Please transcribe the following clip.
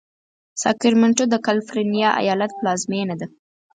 ساکرمنټو د کالفرنیا ایالت پلازمېنه ده.